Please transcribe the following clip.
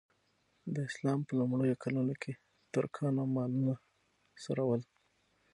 د اسلام په لومړیو کلونو کې ترکانو مالونه څرول.